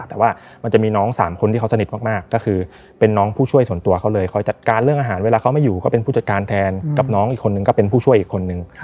แต่ว่ามันจะมีน้องสามคนที่เขาสนิทมากก็คือเป็นน้องผู้ช่วยส่วนตัวเขาเลยคอยจัดการเรื่องอาหารเวลาเขาไม่อยู่ก็เป็นผู้จัดการแทนกับน้องอีกคนนึงก็เป็นผู้ช่วยอีกคนนึง